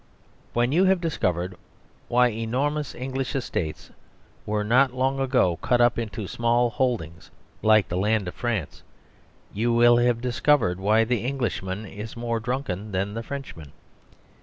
When you have discovered why enormous English estates were not long ago cut up into small holdings like the land of France, you will have discovered why the Englishman is more drunken than the Frenchman.